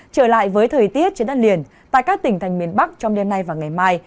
trở lại với thời tiết trên đất liền tại các tỉnh thành miền bắc trong đêm nay và ngày mai